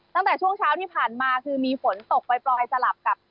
ตั้งแต่ช่วงเช้าที่ผ่านมาคือมีฝนตกปล่อยสลับกับ